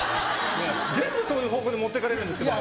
全部そういう方向に持っていかれるんですけど。